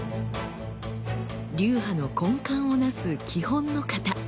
流派の根幹をなす基本の形。